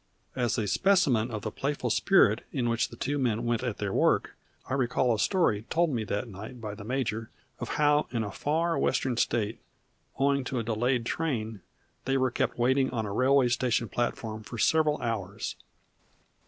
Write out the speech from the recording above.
As a specimen of the playful spirit in which the two men went at their work I recall a story told me that night by the major of how in a far western State, owing to a delayed train, they were kept waiting on a railway station platform for several hours.